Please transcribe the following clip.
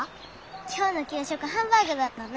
今日の給食ハンバーグだったね。